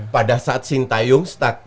pada saat sintayung start